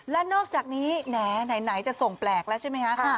และนอกจากนี้แหมไหนจะส่งแปลกแล้วใช่ไหมคะ